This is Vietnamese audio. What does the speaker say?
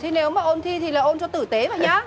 thì nếu mà ôn thi thì là ôn cho tử tế mà nhá